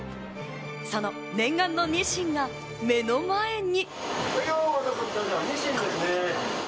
その念願のにしんが目の前に。